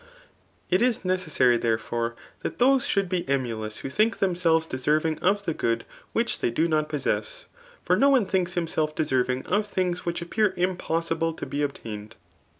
\• It is necessaiy, therefore, that those should be eniulouc wha think themsdves deserving of the good which they do not possess; for no one thinks htiAself deserving of things, which appear impossible to be obtaified.